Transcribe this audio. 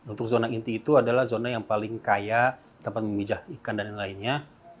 untuk zona inti itu adalah zona yang paling kaya tempat memijah ikan dan lainnya